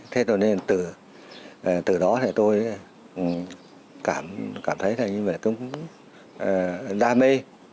thế rồi nên từ đó thì tôi cảm thấy là cũng đam mê